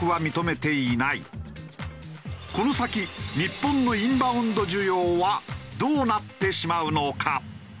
この先日本のインバウンド需要はどうなってしまうのか？